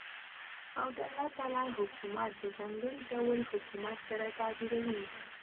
او دالله تعالى حكومت په ځانګړي ډول حكومت سره تعبيروي .